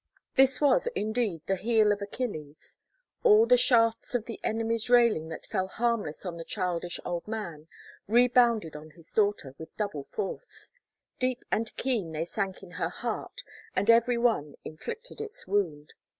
This was, indeed, the heel of Achilles. All the shafts of the enemy's railing that fell harmless on the childish old man, rebounded on his daughter with double force: deep and keen they sank in her hearty and every one inflicted its wound.